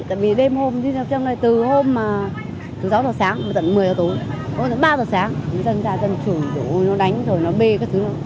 tại vì đêm hôm từ hôm sáu h sáng tận một mươi h tối tận ba h sáng dân ra dân chửi dù nó đánh rồi nó bê các thứ